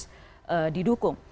itu harus didukung